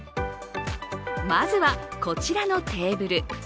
まずは、こちらのテーブル。